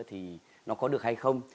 thì nó có được hay không